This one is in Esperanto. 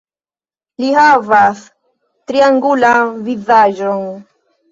Li havas triangulan vizaĝon.